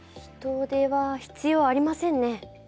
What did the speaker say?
人手は必要ありませんね。